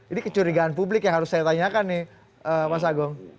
ini kecurigaan publik yang harus saya tanyakan nih mas agung